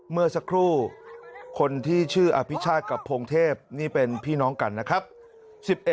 เมื่อสักครู่คนที่ชื่ออภิชาติกับพงเทพนี่เป็นพี่น้องกันนะครับ